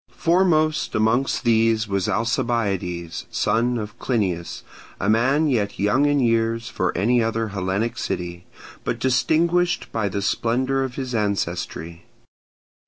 Foremost amongst these was Alcibiades, son of Clinias, a man yet young in years for any other Hellenic city, but distinguished by the splendour of his ancestry.